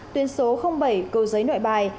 tuyến số bảy cầu giấy nội bài